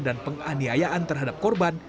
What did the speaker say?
dan penganiayaan terhadap korban